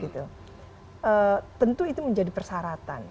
tentu itu menjadi persyaratan